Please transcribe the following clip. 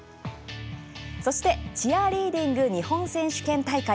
そして「チアリーディング日本選手権大会」。